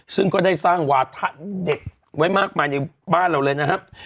ซึ่งก็ได้สร้างวาถะเด็กไว้มากมายในบ้านเราเลยนะครับ